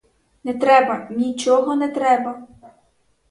Не треба, нічого не треба!